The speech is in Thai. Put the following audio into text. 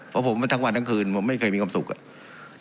เพราะผมทั้งวันทั้งคืนผมไม่เคยมีความสุขอ่ะ